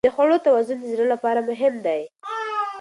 د خوړو توازن د زړه لپاره مهم دی.